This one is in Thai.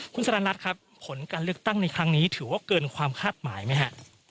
คุณสารนัทครับผลการเลือกตั้งในครั้งนี้ถือว่าเกินความคาดหมายไหมฮะ